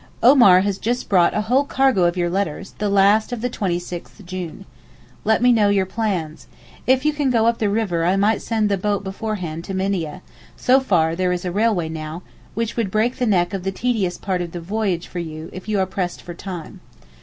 Omar has just brought a whole cargo of your letters, the last of the 26 June. Let me know your plans. If you can go up the river I might send the boat beforehand to Minieh, so far there is a railway now, which would break the neck of the tedious part of the voyage for you if you are pressed for time.